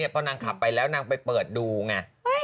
พอนางขับไปแล้วนางไปเปิดดูไง